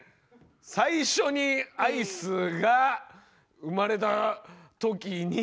最初にアイスが生まれた時に。